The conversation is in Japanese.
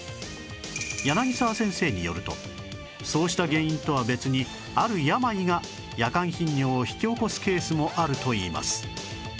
柳沢先生によるとそうした原因とは別にある病が夜間頻尿を引き起こすケースもあるといいます